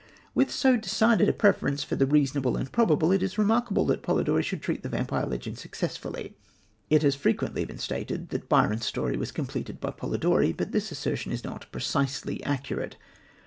With so decided a preference for the reasonable and probable, it is remarkable that Polidori should treat the vampire legend successfully. It has frequently been stated that Byron's story was completed by Polidori; but this assertion is not precisely accurate.